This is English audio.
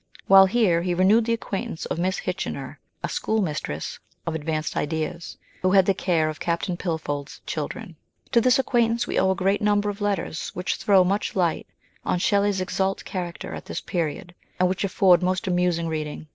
While here he renewed the acquaintance of Miss Kitchener, a school mistress of advanced ideas, who had the care of Captain Pilfold's children. To this SHELLEY. 49 acquaintance we owe a great number of letters which throw much light on Shelley's exalte character at this period, and which afford most amusing reading.